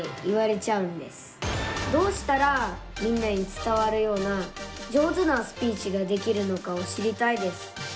どうしたらみんなに伝わるような上手なスピーチができるのかを知りたいです。